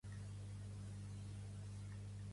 Està al càrrec del National Trust.